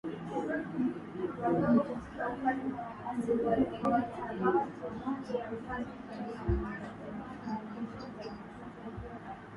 Hivyo alielekeza nguvu zake kutunga vitabu vya katekesi kwa wasio